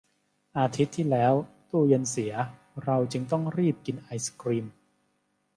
อาทิตย์ที่แล้วตู้เย็นเสีย เราจึงต้องรีบกินไอศกรีม